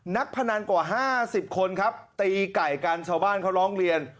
พนันกว่า๕๐คนครับตีไก่กันชาวบ้านเขาร้องเรียน